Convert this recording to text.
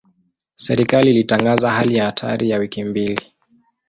Serikali ilitangaza hali ya hatari ya wiki mbili.